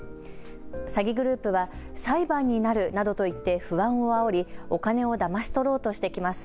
詐欺グループは裁判になるなどと言って不安をあおりお金をだまし取ろうとしてきます。